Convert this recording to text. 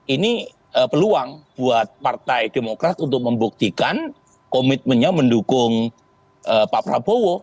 ini peluang buat partai demokrat untuk membuktikan komitmennya mendukung pak prabowo